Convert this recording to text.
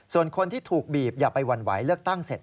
ส่วนคนที่ถูกบีบอย่าไปหวั่นไหวเลือกตั้งเสร็จ